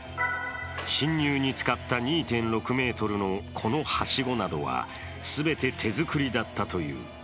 侵入に使った２．６ｍのこのはしごなどは全て手作りだったという。